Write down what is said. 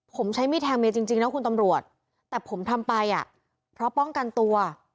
ผมใช้มีดแทงเมียจริงนะคุณตำรวจแต่ผมทำไปอ่ะเพราะป้องกันตัว